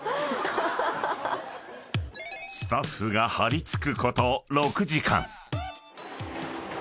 ［スタッフが張り付くこと６時間］